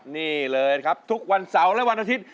นี่เลยครับทุกวันเสาร์และวันอาทิตย์